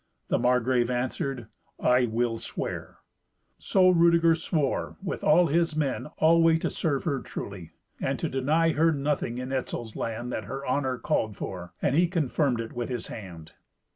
The Margrave answered, "I will swear it." So Rudeger swore with all his men always to serve her truly, and to deny her nothing in Etzel's land that her honour called for, and he confirmed it with his hand.